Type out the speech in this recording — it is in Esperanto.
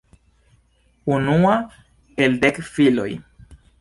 Unua el dek filoj.